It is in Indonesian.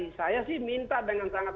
saya sih minta dengan sangat